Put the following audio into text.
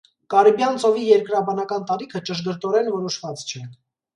Կարիբյան ծովի երկրաբանական տարիքը ճշգրտորեն որոշված չէ։